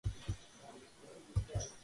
თავდაპირველად მისი სახელი იყო აბრამი.